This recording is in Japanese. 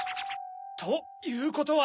ということは。